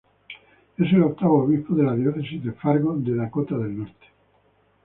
Es el octavo obispo de la Diócesis de Fargo de Dakota del Norte.